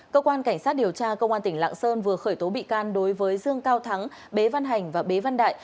cơ quan cảnh sát điều tra công an tp hcm vừa khởi tố bị can đối với dương cao thắng bế văn hành và bế văn đại